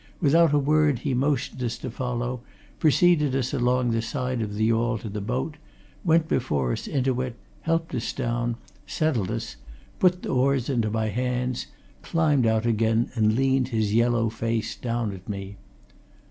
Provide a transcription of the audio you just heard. Without a word he motioned us to follow, preceded us along the side of the yawl to the boat, went before us into it, helped us down, settled us, put the oars into my hands, climbed out again, and leaned his yellow face down at me.